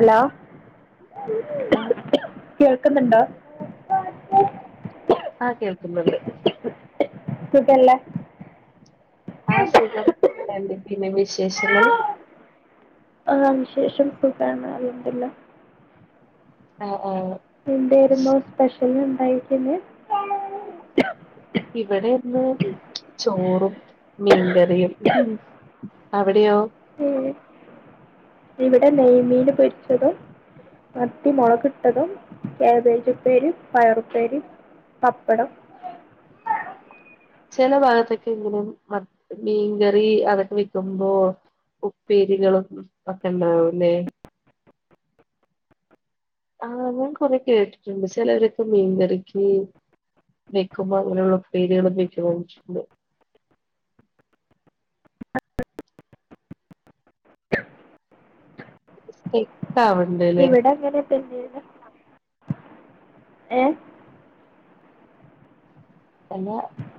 Hello. ആ കേൾക്ക്ന്ന് ണ്ടോ ആഹ്. കേൾക്ക്ന്ന്ണ്ട്. സുഖല്ലേ? ആഹ്. സുഖം. എന്തൊക്കേണ്ട് വിശേഷങ്ങൾ? ആഹ്. വിശേഷം സുഖാണ്. അൽഹംദുല്ല. ആഹ് ആഹ്. എന്തായിരുന്നു സ്പെഷ്യൽ ഉണ്ടായിക്ക്ന്ന്. ഇവിടെ ഇന്ന് ചോറും. മീൻകറിയും. അവിടെയോ? ഉം. ഇവിടെ നെയ്മീന് പൊരിച്ചതും. മത്തി മൊളക് ട്ടതും കാബേജുപ്പേരിം പയറുപ്പേരിം. പപ്പടം. ചെല ഭാഗത്തൊക്കെങ്ങനെ മ മീൻകറി അതൊക്കെ വെക്കുമ്പോ. ഉപ്പേരികളും ഒക്കെണ്ടാവുംലെ? ആഹ്. ഞാൻ കൊറെ കേട്ടിട്ടുണ്ട് ചെലോരൊക്കെ മീൻകറിക്ക്. വെക്കുമ്പോ അങ്ങനെയുള്ള ഉപ്പേരികളും വെക്കോയ്ച്ട്ട്ണ്ട്. അ സ്റ്റെക്ക് ആവണ്ട് [unintelligible] ല്ലേ ഇവിടങ്ങനെ. പിന്നെ. ഏഹ്.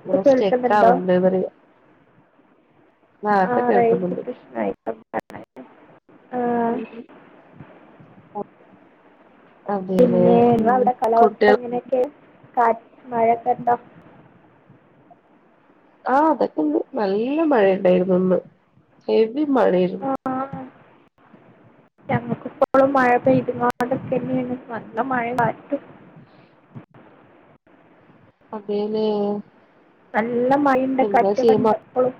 ഇപ്പൊ കേൾക്കുന്നുണ്ടോ സ്റ്റെക്കാവ്ണ്ട്ന്ന് പറയാ. ആഹ്. ആ റേഞ്ച് പ്പൊക്കേൾക്ക്ന്ന്ണ്ട്. പ്രശ്നമായി ആ ഉ [unintelligible] പിന്നെ ങ്ങളവടെ കാലാവസ്ഥ എങ്ങനെയൊക്കെ? കാറ്റും മഴെക്കണ്ടോ? ആഹ്. അതൊക്കെണ്ട്. നല്ല മഴണ്ടായിര്ന്നു ഇന്ന്. ഹെവി മഴാര്ന്നു. ഞങ്ങക്കിപ്പോളും മഴ പെയ്ത്കോണ്ട്ക്കെന്നേണ്. നല്ല മഴ. അതേലേ നല്ല മഴിണ്ട് മ കാറ്റൊകെണ്ട് പ്പളും.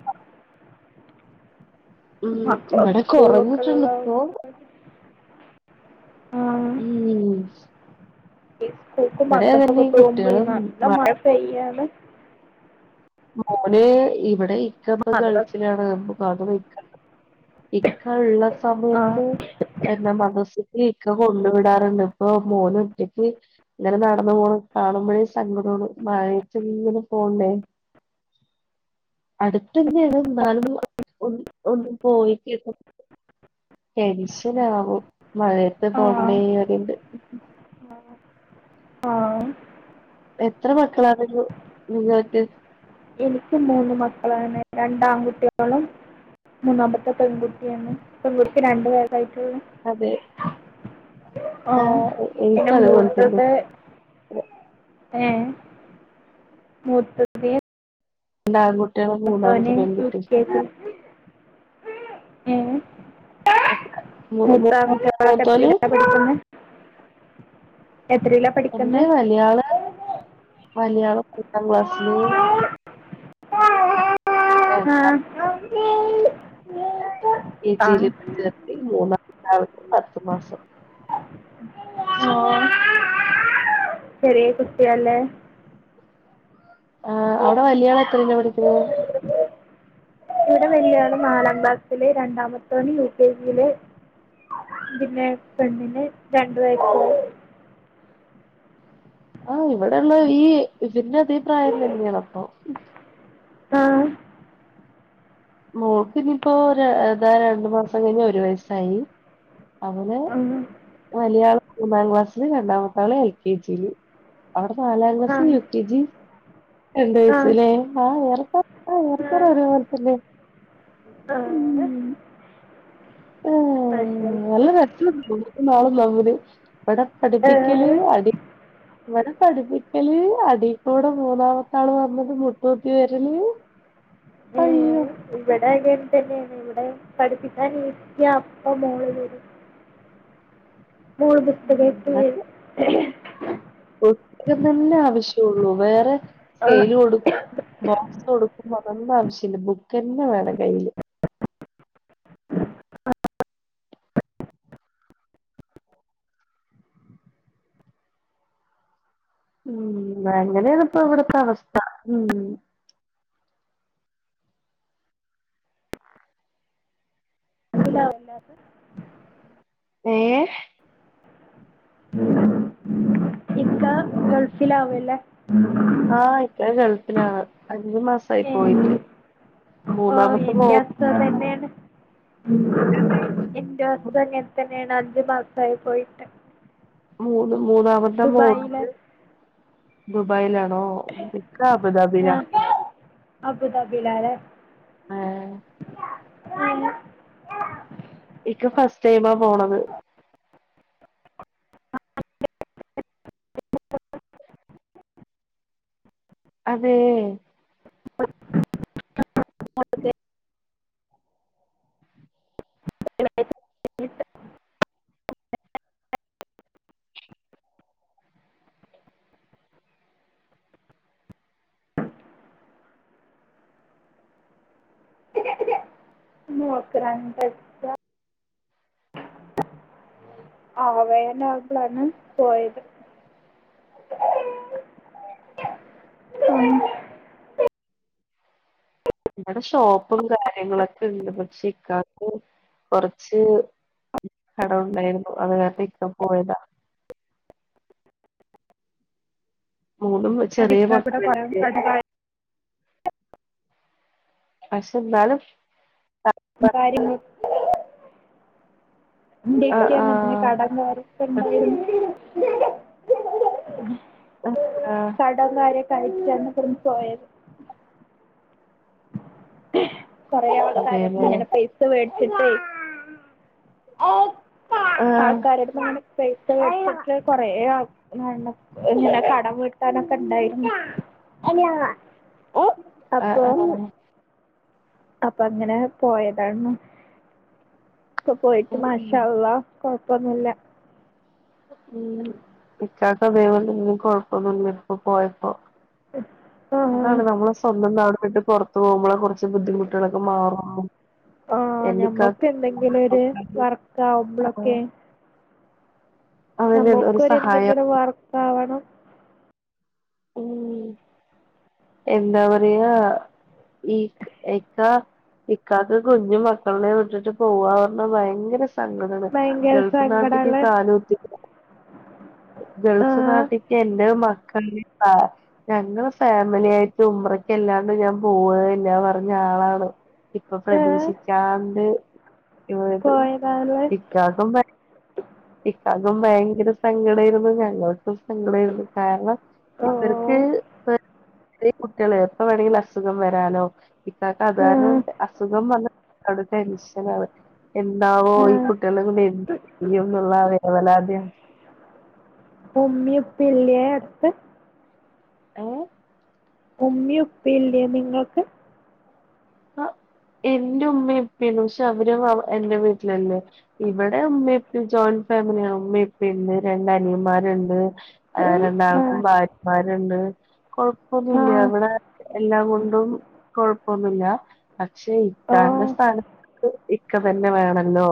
ഉം മക്കളെ ഇവിടെ സ്കൂളൊക്കെ കൊറഞ്ഞിട്ടുണ്ട് ഇപ്പോ ള്ളാഓണ്ടായ്ക്കും ഉം ഇസ്കൂക്കും ഇവിടെ തന്നെ മദ്രസക്കെ ഈ പോകുമ്പളെ കുട്ടികള് നല്ല മ മഴ പെയ്യാണ് മോനെ ഇവിടെ ഇക്കപ്പ മദ്രസ് ഗൾഫിലാണ് അപ്പൊക്കാണ്ട് പെയ്ക്ക ഇക്ക ള്ള ആ സമയത്ത് എന്നാ മദസ്സിക്ക്‌ ഇക്ക കൊണ്ടു വിടാറുണ്ട് ഇപ്പൊ മോനറ്റക്ക് ഇങ്ങനെ നടന്നു പോണം കാണുമ്പഴേ സങ്കടോണ് മഴത്ത്ങ്ങനെ പോണ്ടേ അടുത്ത തന്നെയാണ് എന്നാലും ഒന്നും ഒന്ന് പോയി കേക്ക ടെൻഷൻ ആകും മഴയത്തെ പോണ്ട പറിണ്ട് ആഹ്‌ ആഹ്‌ എത്ര മക്കളാണരു നിങ്ങൾക്ക് എനിക്ക് മൂന്ന് മക്കളാണ് രണ്ടാൺകുട്ടികളും മൂന്നാമത്തെ പെൺകുട്ടിയാണ് പെൺകുട്ടിക്ക് രണ്ടു വയസായി ട്ടേള്ളു അതെ ആ ആഹ് എ പിന്നെ എനിക്കും അതുപോലെ തന്നെ മൂത്തത് ഏ മൂത്തത് രണ്ടാങ്കുട്ട്യാള് മുത്തോന് യു കെ ജി ഏ മൂ മൂത്ത കുട്ട്യാളൊക്കെ മൂത്തോല് എത്രീലാ പഠിക്കുന്നെ എത്രീലാ പഠി എന്റെ വല്യാള് വല്യാള് എട്ടാം ക്ലാസ്സില് [unintelligible] ആ ആ ഇച്ചിരി ഇരത്തി മൂന്നാം [unintelligible] പത്ത് മാസം ആ ചെറിയ കുട്ടിയാല്ലേ ആ അടെ വലിയാള എത്രീലാ പഠിക്കുന്നു ഇവിടെ വെല്ല്യാള് നാലാം ക്ലാസ്സില് രണ്ടാമത്തോന് യു കെ ജി ല് [unintelligible] ആ ഇവിടെള്ള ഈ വിഭിന്ന അതേ പ്രായം തന്നെയണപ്പൊ ആഹ്‌ മോക്ക് ഇനിപ്പോ ര താ രണ്ടു മാസം കഴിഞ്ഞ് ഒരു വയസായി അവന് ആഹ്‌ വലിയാള് മൂന്നാം ക്ലാസ്സില് രണ്ടാമത്ത ആള് എൽ കെ ജി യില് അവിടെ നാലാം ആ ക്ലാസ് യു കെ ജി രണ്ട് ആ വയസ്സ് ലേ ആ ഓലൊപ്പം ആ ഏറെക്കൊറെ ഒരേ പോൽതന്നെ ആഹ്‌ [unintelligible] നൂ നാളും നമ്മള് ഇവിടെ ഏ പഠിപ്പിക്കല് അടി ഇവിടെ പഠിപ്പിക്കല് അടി കൂടെ മൂന്നാമത്ത ആള് വന്നത് മുട്ടൂത്തി വരല് ഏ അയ്യോ ഇവിടെ അങ്ങെ തന്നെയാണ് ഇവിടെ പഠിപ്പിക്കാൻ ഇരിത്തിയാ അപ്പ മോള് വരും ഉം, [unintelligible] [unintelligible] തന്നെ ആവശ്യള്ളൂ വേറെ ആ സ്കെൽ കൊടുക്കും ബോക്സ് കൊടുക്കുമ്പോഅതൊന്നു ആവശ്യല്ല ബുക്ക് ന്നെ വേണം കയ്യില് ഉം അങ്ങനെണ് ഇപ്പ ഇവിടത്തെ അവസ്ഥ ഉം എന്താവല്യാത്ത് ഏഹ് ഉം ഇക്കാ മൻസിലാവ്ണില്ല ആഹ് ഇക്ക ഗൾഫിലാണ് അഞ്ച് മാസയി ഏ പോയിട്ട് മൂന്നാമത്തെ പോ സുഖം തന്നേണ് എന്താ ഇപ്പങ്ങൻതന്നേണ് അഞ്ച് മാ സായി പോയിട്ട് മൂന്ന് മൂന്നാമത്തെ ദുബായിലെ മോൾക്ക് ദുബായിലാണോ? ഇക്ക അബുദാബിയിലാ. ആഹ് അബൂദാബിലാലേ ഏഹ് ഇക്ക ഫസ്റ്റ് ടൈമാ പോണത് [inaudible] അതേ [inaudible] ഇന്ന് ഓൾക്ക് രണ്ട് ദിവസം ആഹ് വേനലായപ്പളാണ് പോയത് ഇവടെ ഷോപ്പും കാര്യങ്ങളൊക്കെ ഉണ്ട് പക്ഷെ ഇക്കാക് കൊർച്ച് കടൊണ്ടായിരുന്നു അങ്ങനെ തീർക്കാൻ പോയതാ മൂന്നും ചെറിയ ഇക്കാക്കൂടെ കൊറേ മക്കളാൻ്റെ കടം പക്ഷെ ഇന്നാലും [unintelligible] ഇൻ്റെ ഇക്ക ആഹ് അങ്ങനെ തന്നെ ആഹ് കടന്ന് [unintelligible] ഇണ്ടായിരുന്നു [unintelligible] കടം കാരി [unintelligible] ഇബ‌ട്ന്ന് പോയത് കൊറേ ആൾക്കാരെട്ത്ത്ന്ന് അതേല്ലേ ഇങ്ങനെ പെയിസ വേട്ച്ചിട്ടെയ് ആഹ് ആൾക്കാരെട്ത്ത്ന്ന്ങ്ങനെ പൈസ വേട്ച്ചിട്ട് കൊറേ ആൾ [unintelligible] ഇങ്ങനെ കടം വീട്ടാനൊക്കെണ്ടായിര്ന്നു ആഹ് ആഹ് അപ്പങ്ങനെ പോയതാണു ഇപ്പ പോയിട്ട് മാഷാ ഉം അള്ളാ കൊഴപ്പൊന്നുല്ല ഉം ഇച്ചാക്ക് [unintelligible] കൊഴപ്പൊന്നുല്ല ഇപ്പ പോയപ്പൊ അതാണ് നമ്മളെ സ്വന്തം നാട് വിട്ട് പൊറത്ത് പോകുമ്പളാ കൊറച്ച് ബുദ്ധിമുട്ടോളൊക്കെ മാറൊള്ളു എൻ്റെ ഇക്കാക്ക് നമുക്ക് എന്തെങ്കിലും ഒരു വർക്ക് ആവുമ്പോഴൊക്കെ [unintelligible] ഒരു സഹായം ഞമ്മക്കൊരെന്തെങ്കിലും വർക്കാവണം ഉം എന്താ പറയാ ഈക്ക് എക്കാ ഇക്കാക്ക് കുഞ്ഞ് മക്കൾനെ വിട്ടിട്ട് പോവാ പറഞ്ഞ് ഭയങ്കര സങ്കടാണ് ഭയങ്കര ഗൾഫ് നാട്ടിക്ക് സങ്കടമുള്ള കാല് കുത്തി ആ, ഗൾഫ് നാട്ടിക്ക് എന്റെ മക്കള് [unintelligible] ഞങ്ങള് ഫാ ഫാമിലിയായിട്ട് ഉമ്മ്രക്കല്ലാണ്ട് ഞാൻ പോവേല്ലാ പറഞ്ഞാളാണ് ഇപ്പൊ ആ, പ്രതീക്ഷിക്കാണ്ട് ഇവിടേം പോയി പോയതാണ് ഇക്കാക്കും ഇക്കാക്കും ഭയങ്കര സങ്കടായിരുന്നു ഞങ്ങൾ ക്കും സങ്കടായിരുന്നു കാരണം ഓ ഇവർക്ക് [unintelligible] ചെറ്യേ കുട്ട്യേളെ എപ്പ വേണേലും അസുഖം വരാലോ ഇക്കാക്ക് അത് ആ, കാരണം അസുഖം വന്നാ [unintelligible] ടെൻഷനാണ് എന്താവോ ഈ ആ. കുട്ടികളെ കൂടെ എന്ത് ചെയ്യുന്നുള്ളാ വേവലാദ്യാ ഇപ്പൊ ഉമ്മേം ഉപ്പിം ഇല്യേ അട്ത്ത്? ഏഹ് ഉമ്മി ഉപ്പില്ലേ ഇങ്ങക്ക് അഹ് ഇൻ്റെ ഉമ്മേം ഉപ്പിണ്ട് പക്ഷെ അവര് എന്റെ വീട്ടിലല്ലേ ഇവിടെ ഉമ്മിം ഉപ്പിം ജോയിന്റ് ഫാമിലിയാണ് ഉമ്മിം ഉപ്പിണ്ട് രണ്ടനിയന്മാര്ണ്ട് ആഹ് ആ രണ്ടാൾക്കും ഭാര്യമാര്ണ്ട് ആ കൊഴപ്പൊന്നൂല്ല ഇവിടെ എല്ലാം കൊണ്ടും കൊഴപ്പൊന്നുല്ല പക്ഷെ ഓ ഇക്കാന്റെ സ്ഥാനത്ത് ഇക്ക തന്നെ വേണല്ലോ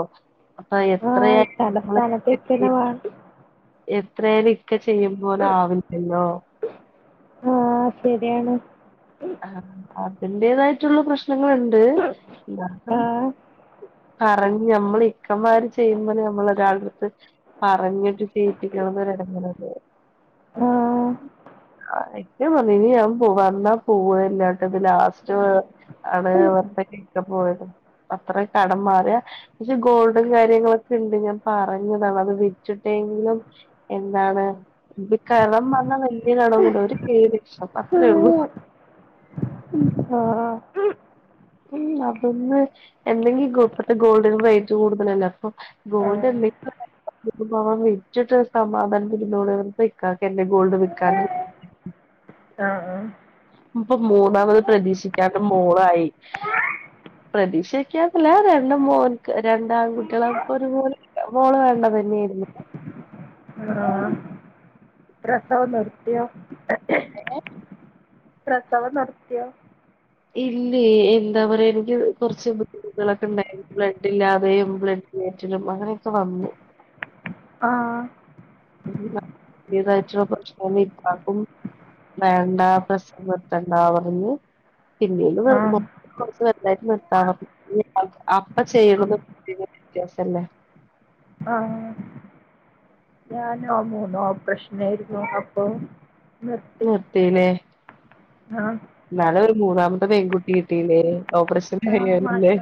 അപ്പൊ ആ ഈ എത്രയായി നമ്മള് തലസ്ഥാനത്തൊക്കെ തന്നെ [unintelligible] വേണം എത്ര ആയാലും ഇക്ക ചെയ്യുമ്പോലെ ആവില്ലല്ലോ ആഹ് ശരിയാണ് ആഹ് അതിന്റേതായിട്ടുള്ള പ്രശ്നങ്ങളുണ്ട് ഇന്നാലും ആ പറഞ്ഞ് നമ്മളെ ഇക്കമാര് ചെയ്യുമ്പോലെ നമ്മൾ ഒരാളെടുത്ത് പറഞ്ഞിട്ട് ചെയ്യിപ്പിക്കണത് ഒര് എടങ്ങേറല്ലേ ആഹ് ഇക്ക പറഞ്ഞ് ഇനി ഞാൻ പോ വന്നാ പോവെല്ലാട്ടോ ഇത് ലാസ്റ്റ് വെ ആണ് പറഞ്ഞിട്ട് ഇക്ക പോയതും അത്ര കടം മാറിയാ പക്ഷെ ഗോൾഡും കാര്യങ്ങളൊക്കെ ഇണ്ട് ഞാൻ പറഞ്ഞതാണ് അത് വിറ്റിട്ടെങ്കിലും എന്താണ് ഈ കടം പറഞ്ഞാ വല്യ കടൊന്നും ഇല്ല ഒര് ഏഴ് ലക്ഷം അത്രേ ഉള്ളൂ ആഹ് ആഹ് ഉം അതൊന്ന് എന്തെങ്കി ഗോ ഇപ്പത്തെ ഗോൾഡിന് റേറ്റ് കൂടുതലല്ലെ അപ്പം ഗോൾഡ് [unintelligible] ൻ വിച്ചിട്ട് സമാധാനം പിരുന്നോടെ ഇക്കാക്ക് എൻ്റെ ഗോൾഡ് വിൽക്കാണ് ആഹ് ആഹ് ഇപ്പൊ മൂന്നാമത് പ്രതീക്ഷിക്കാത്ത മോളായി പ്രതീക്ഷക്കാല്ല രണ്ട് മോന്ക്ക് രണ്ട് ആൺകുട്ടികളപ്പൊ ഒരു മോ മോള് വേണ്ടത് തന്നെയായിരുന്നു [unintelligible] പ്രസവം നിർത്തിയോ പ്രസവം നിർത്തിയോ ഇല്ല എന്താ പറയാ എനിക്ക് കുറച്ച് ബുദ്ധിമുട്ടുകളൊക്കെ ഉണ്ടായി ബ്ലഡ് ഇല്ലാതെയും ബ്ലഡ് കറ്റലും അങ്ങനെയൊക്കെ വന്നു ആഹ് പുതിയതായിട്ടുള്ള പ്രശ്ന ഇണ്ടാക്കും വേണ്ട പ്രസവം നിർത്തണ്ട എന്ന് പറഞ്ഞ് ആ പിന്നീം [unintelligible] അപ്പൊ ചെയ്യണം വ്യത്യാസല്ലേ ആഹ് ഞാൻ ആഹ് മൂന്നോ ഓപ്രേശൻ ആയിരുന്നു അപ്പൊ നിർത്തി [unintelligible] ആഹ് എന്നാലെ ഒരു മൂന്നാമത്തെ പെൺകുട്ടി കിട്ടല്ലേ ഓപ്പറേഷൻ ആഹ് കഴിയാനല്ലേ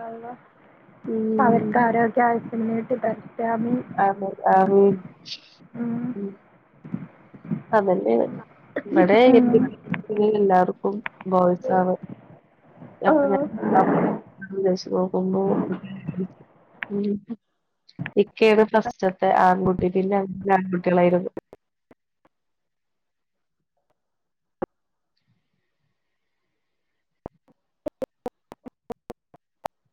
ഉം അവർക്ക് ആരോഗ്യ [unintelligible] ഉം [unintelligible] അതല്ലേ ഇവിടെ ഉം എഹ് എല്ലാവർക്കും ബോസാവ ഓ അപ്പൊ [unintelligible] പോക്കുമ്പോ ഉം ഇക്കാണ് ഫസ്റ്റത്തെ ആൺകുട്ടി പിന്നെ ആൺകുട്ടികളായിരുന്നു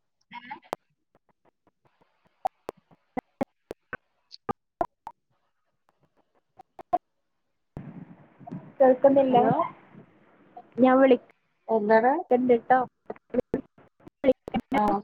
[unintelligible] കേൾക്കുന്നില്ല ഹലോ ഞാൻ എന്താണ് വിളിക്കണ്ട് ആഹ്